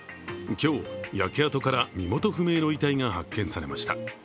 今日、焼け跡から身元不明の遺体が発見されました。